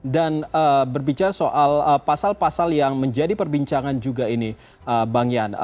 dan berbicara soal pasal pasal yang menjadi perbincangan juga ini bang yan